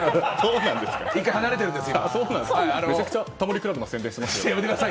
１回離れているんです。